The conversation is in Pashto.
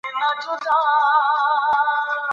دولتي پورونه باید په وخت ادا شي.